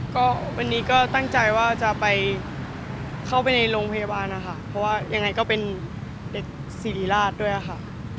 ก็วันนี้ก็ตั้งใจว่าจะไปเข้าไปในโรงพยาบาลนะคะเพราะว่ายังไงก็เป็นเด็กสิริราชด้วยค่ะ